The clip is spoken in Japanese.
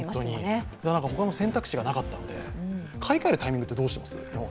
他の選択肢がなかったので買い替えるタイミングってどうしてます？